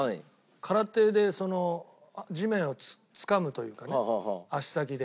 空手でその地面をつかむというかね足先で。